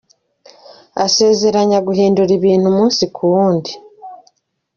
Asezeranya guhindura ibintu umunsi ku wundi.